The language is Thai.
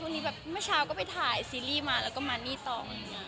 เมื่อเช้าก็ไปถ่ายซีรีส์มามาหนี้ตอง